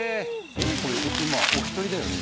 これ今お一人だよね？